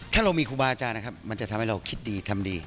ถ้าเรามีครูบาอาจารย์นะครับมันจะทำให้เราคิดดีทำดี